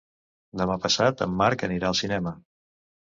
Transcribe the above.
Demà passat en Marc anirà al cinema.